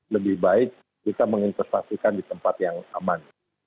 lebih baik kita menginvestasikan di tempat yang aman